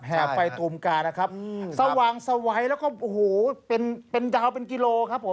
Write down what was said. แห่ไฟตูมกานะครับสว่างสวัยแล้วก็เป็นดาวน์กิโลครับผม